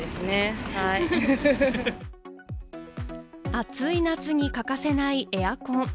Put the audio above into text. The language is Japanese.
暑い夏に欠かせないエアコン。